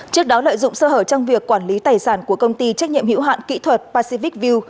trước đó lợi dụng sơ hở trong việc quản lý tài sản của công ty trách nhiệm hữu hạn kỹ thuật pacific view